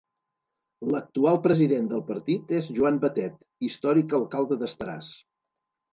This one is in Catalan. L'actual president del partit és Joan Batet, històric alcalde d'Estaràs.